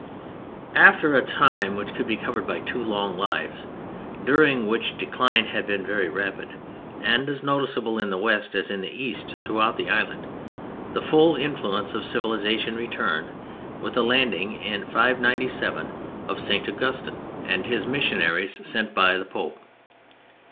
After a time which could be covered by two long lives, during which decline had been very rapid, and as noticeable in the West as in the East throughout the Island, the full influence of civilization returned, with the landing in 597 of St. Augustine and his missionaries sent by the Pope.